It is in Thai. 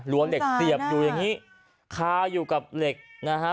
เหล็กเสียบอยู่อย่างนี้คาอยู่กับเหล็กนะฮะ